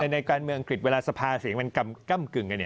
ในการเมืองอังกฤษเวลาสภาเสียงมันก้ำกึ่งกัน